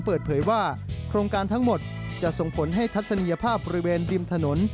เปิดเผยว่าโครงการทั้งหมดจะส่งผลให้ทัศนียภาพบริเวณริมถนน